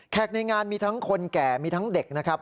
ในงานมีทั้งคนแก่มีทั้งเด็กนะครับ